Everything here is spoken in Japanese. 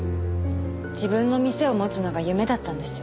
自分の店を持つのが夢だったんです。